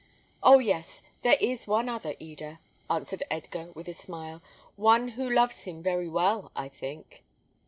"Oh, yes! there is one other, Eda," answered Edgar, with a smile; "one who loves him very well, I think."